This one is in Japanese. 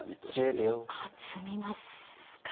ああ詰みますか。